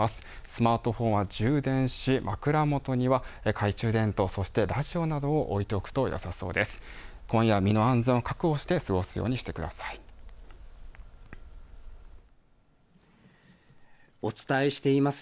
スマートフォンは充電し、枕元には、懐中電灯、そしてラジオなどを置いておくとよさそうです。